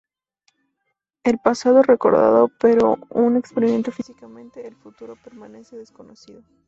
El pasado es recordado pero no experimentado físicamente, el futuro permanece desconocido.